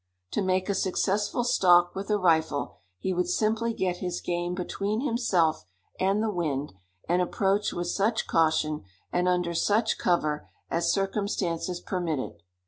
To make a successful stalk with a rifle, he would simply get his game between himself and the wind, and approach with such caution, and under such cover, as circumstances permitted.